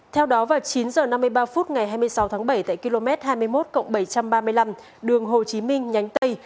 theo đó vào chín h năm mươi ba phút ngày hai mươi sáu tháng bảy tại km hai mươi một bảy trăm ba mươi năm đường hồ chí minh nhánh tây